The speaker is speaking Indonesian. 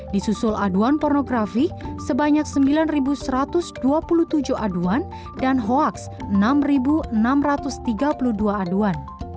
disusul aduan pornografi sebanyak sembilan satu ratus dua puluh tujuh aduan dan hoaks enam enam ratus tiga puluh dua aduan